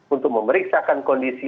untuk memeriksakan kondisi